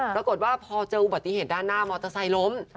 ปรากฏว่าพอเจออุบัติเหตุด้านหน้ามอเตอร์ไซค์ล้ม